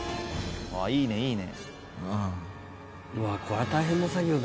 いいねいいね。